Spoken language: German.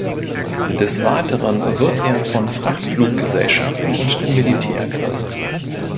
Des Weiteren wird er von Frachtfluggesellschaften und dem Militär genutzt.